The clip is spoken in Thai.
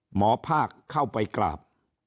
หมอภาคเข้าไปกราบ